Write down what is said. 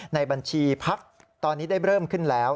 ในบัญชีพักตอนนี้ได้เริ่มขึ้นแล้ว